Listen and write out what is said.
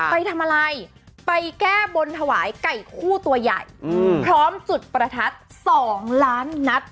ไปทำอะไรไปแก้บนถวายไก่คู่ตัวใหญ่พร้อมจุดประทัด๒ล้านนัด